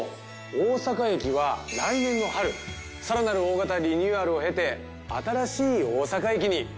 大阪駅は来年の春更なる大型リニューアルを経て新しい大阪駅に。